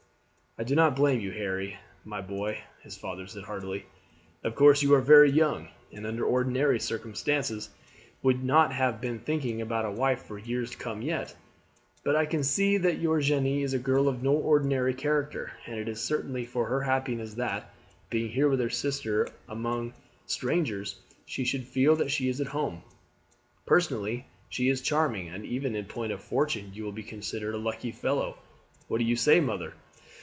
"I do not blame you, Harry, my boy," his father said heartily. "Of course you are very young, and under ordinary circumstances would not have been thinking about a wife for years to come yet; but I can see that your Jeanne is a girl of no ordinary character, and it is certainly for her happiness that, being here with her sister alone among strangers, she should feel that she is at home. Personally she is charming, and even in point of fortune you would be considered a lucky fellow. What do you say, mother?"